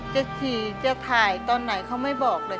จะขี่จะถ่ายตอนไหนเขาไม่บอกเลย